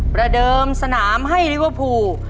ประเดิมสนามให้ลิเวอร์พูล